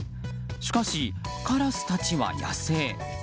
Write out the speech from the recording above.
しかし、カラスたちは野生。